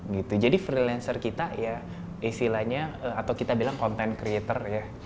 gitu jadi freelancer kita ya istilahnya atau kita bilang content creator ya